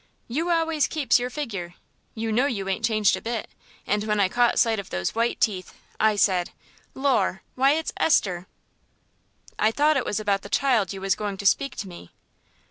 "' You always keeps your figure you know you ain't a bit changed; and when I caught sight of those white teeth I said, 'Lor', why, it's Esther.'" "I thought it was about the child you was going to speak to me."